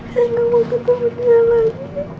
saya nggak mau ketemu gubernurnya lagi